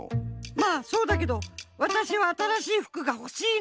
まあそうだけどわたしはあたらしい服がほしいの。